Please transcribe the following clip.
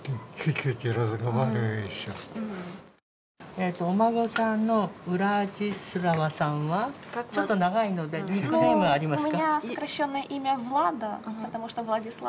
えーっとお孫さんのウラジスラワさんはちょっと長いのでニックネームはありますか？